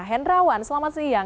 hendrawan selamat siang